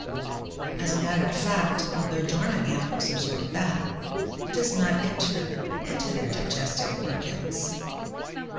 As a matter of fact, although dormant animals absorb fat, it does not enter into their digestive organs.